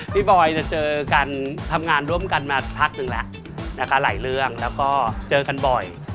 บอยจะเจอกันทำงานร่วมกันมาพักหนึ่งแล้วนะคะหลายเรื่องแล้วก็เจอกันบ่อย